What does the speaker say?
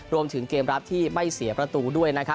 รวมถึงเกมรับที่ไม่เสียประตูด้วยนะครับ